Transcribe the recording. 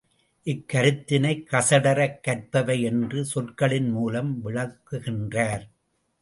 இக்கருத்தினைக் கசடறக் கற்பவை என்ற சொற்களின் மூலம் விளக்குகின்றார்.